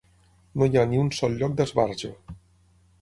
No hi ha ni un sol lloc d'esbarjo.